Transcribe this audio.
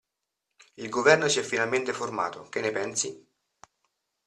Il governo si è finalmente formato, che ne pensi?